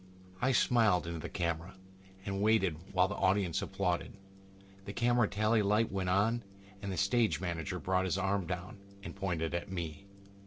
I smiled into the camera and waited while the audience applauded. The camera tally light went on and the stage manager brought his arm down and pointed at me.